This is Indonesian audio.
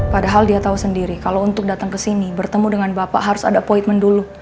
padahal dia tahu sendiri kalau untuk datang ke sini bertemu dengan bapak harus ada pointment dulu